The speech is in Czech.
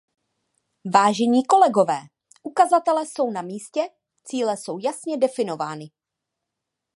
Vážení kolegové, ukazatele jsou na místě, cíle jsou jasně definovány.